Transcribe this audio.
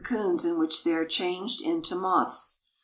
coons in which they are changed into moths.